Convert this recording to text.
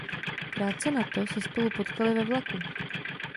Krátce nato se spolu potkali ve vlaku.